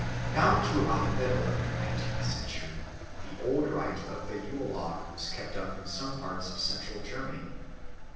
Down to about the middle of the nineteenth century the old rite of the Yule log was kept up in some parts of Central Germany.